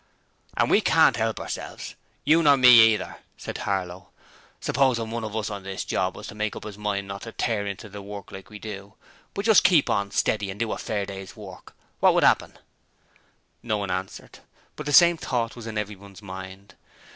'And we can't 'elp ourselves, you nor me either,' said Harlow. 'Supposing one of us on this job was to make up 'is mind not to tear into it like we do, but just keep on steady and do a fair day's work: wot would 'appen?' No one answered; but the same thought was in everyone's mind.